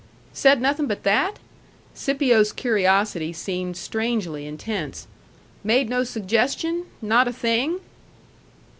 "Said nothing but that?" Scipio's curiosity seemed strangely intense. "Made no suggestion? Not a thing?"